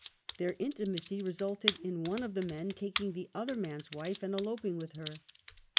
Their intimacy resulted in one of the men taking the other man's wife and eloping with her.